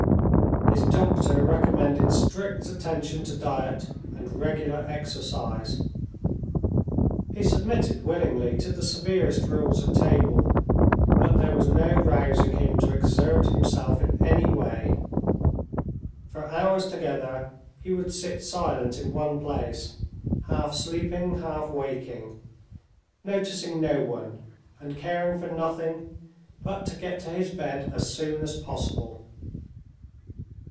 His doctor recommended strict attention to diet, and regular exercise. He submitted willingly to the severest rules at table but there was no rousing him to exert himself in any way. For hours together, he would sit silent in one place, half sleeping, half waking; noticing no one, and caring for nothing but to get to his bed as soon as possible.